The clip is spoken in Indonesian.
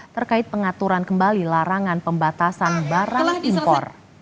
terkait pengaturan kembali larangan pembatasan barang impor